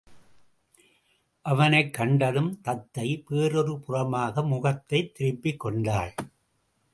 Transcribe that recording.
அவனைக் கண்டதும் தத்தை வேறொரு புறமாக முகத்தைத் திருப்பிக் கொண்டாள்.